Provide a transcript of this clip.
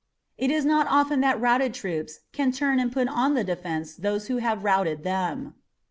It is not often that routed troops can turn and put on the defense those who have routed them."